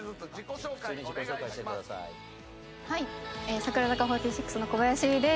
櫻坂４６の小林由依です。